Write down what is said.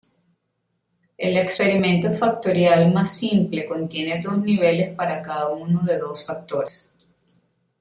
El experimento factorial más simple contiene dos niveles para cada uno de dos factores.